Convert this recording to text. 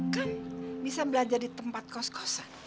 kan bisa belajar di tempat kos kosan